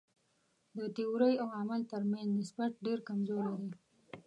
د تیورۍ او عمل تر منځ نسبت ډېر کمزوری دی.